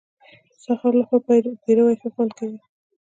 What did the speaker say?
د سهار له خوا پېروی ښه خوند کوي .